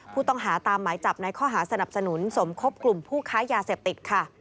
ผู้ต้องหาตามหมายจับในข้อหาสนับสนุนสมคบกลุ่มผู้ค้ายาเสพติดค่ะ